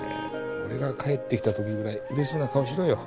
俺が帰って来た時ぐらい嬉しそうな顔しろよ。